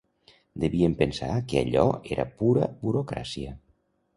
Devien pensar que allò era pura burocràcia.